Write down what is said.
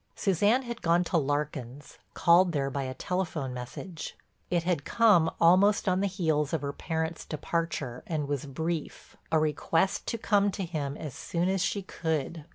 Suzanne had gone to Larkin's, called there by a telephone message. It had come almost on the heels of her parents' departure and was brief—a request to come to him as soon as she could.